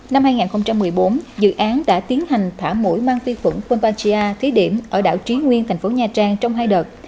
năm hai nghìn một mươi bốn dự án đã tiến hành thả mũi mangonpachia thí điểm ở đảo trí nguyên thành phố nha trang trong hai đợt